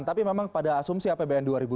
tapi memang pada asumsi apbn dua ribu dua puluh